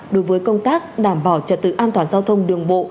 đối với công tác đảm bảo trật tự an toàn giao thông đường bộ